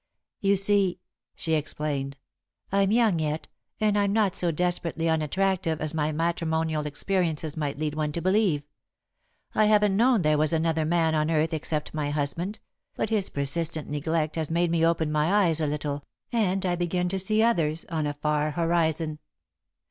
"You see," she explained, "I'm young yet and I'm not so desperately unattractive as my matrimonial experiences might lead one to believe. I haven't known there was another man on earth except my husband, but his persistent neglect has made me open my eyes a little, and I begin to see others, on a far horizon.